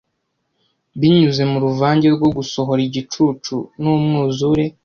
Binyuze mu ruvange rwo gusohora igicucu numwuzure